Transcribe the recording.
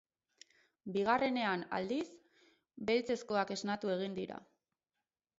Bigarrenean, aldiz, beltzezkoak esnatu egin dira.